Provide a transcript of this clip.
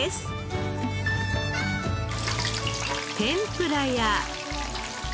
天ぷらや。